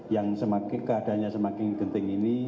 yang keadaannya semakin genting ini